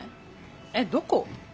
えっどこ？